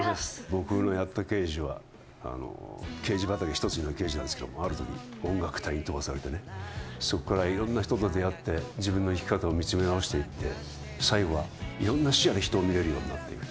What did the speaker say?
僕のやった刑事は、刑事畑一筋の刑事なんですけども、あるとき、音楽隊に飛ばされてね、そこからいろんな人と出会って、自分の生き方を見つめ直していって、最後はいろんな視野で人を見れるようになっていく。